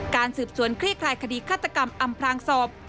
การสืบสวนคลี่คลายคดีฆาตกรรมอำพลางศพ